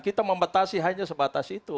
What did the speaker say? kita membatasi hanya sebatas itu